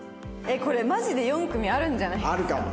これマジで４組あるんじゃないですか？